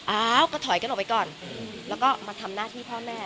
อ้าวก็ถอยกันออกไปก่อนแล้วก็มาทำหน้าที่พ่อแม่